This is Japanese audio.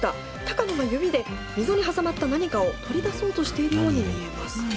高野が指で溝に挟まった何かを取り出そうとしているように見えます。